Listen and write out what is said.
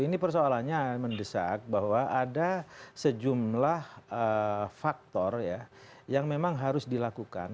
ini persoalannya mendesak bahwa ada sejumlah faktor ya yang memang harus dilakukan